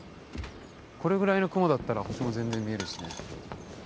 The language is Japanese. これぐらいの雲だったら星も全然見えるしね。